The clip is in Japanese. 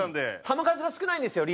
タマ数が少ないんですよ